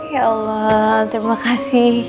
ya allah terima kasih